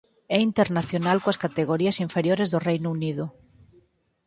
É internacional coas categorías inferiores do Reino Unido.